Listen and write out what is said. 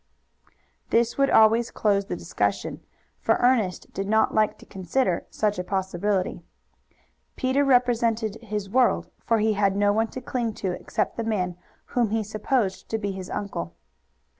This would always close the discussion, for Ernest did not like to consider such a possibility. Peter represented his world, for he had no one to cling to except the man whom he supposed to be his uncle.